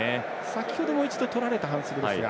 先ほども一度とられた反則ですが。